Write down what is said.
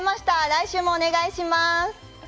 来週もお願いします。